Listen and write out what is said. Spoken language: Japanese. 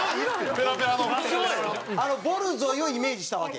あのボルゾイをイメージしたわけ。